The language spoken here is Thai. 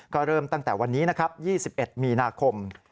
ก็เริ่มตั้งแต่วันนี้นะครับ๒๑มีนาคม